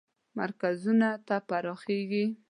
مرکزونو ته پراخیږي.